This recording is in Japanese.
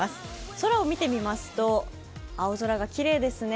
空を見てみますと、青空がきれいですね。